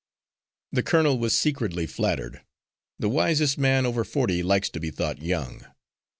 The colonel was secretly flattered. The wisest man over forty likes to be thought young.